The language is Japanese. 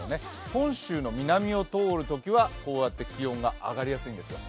本州の南を通るときはこうやって気温が上がりやすいんですよ。